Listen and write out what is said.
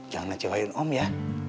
jangan ngecewain om ya